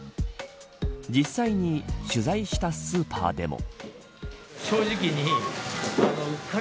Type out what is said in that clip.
実際に取材したスーパーでも。